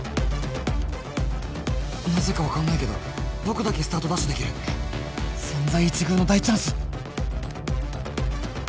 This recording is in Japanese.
なぜか分かんないけど僕だけスタートダッシュできる千載一遇の大チャンス・